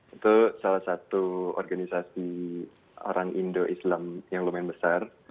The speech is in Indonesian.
itu salah satu organisasi orang indo islam yang lumayan besar